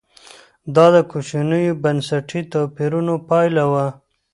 دا د کوچنیو بنسټي توپیرونو پایله وه